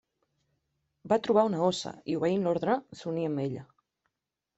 Va trobar una óssa, i obeint l'ordre, s'uní amb ella.